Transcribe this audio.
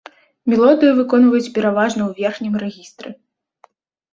Мелодыю выконваюць пераважна ў верхнім рэгістры.